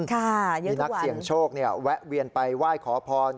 มีนักเสี่ยงโชคแวะเวียนไปไหว้ขอพร